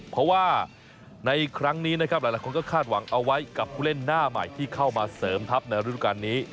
เพราะว่าในครั้งนี้นะครับหลายคนก็คาดหวังเอาไว้กับผู้เล่นหน้าใหม่ที่เข้ามาเสริมทัพในฤดูการนี้